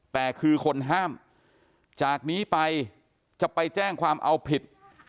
แต่คือคนห้ามจากนี้ไปจะไปแจ้งความเอาผิด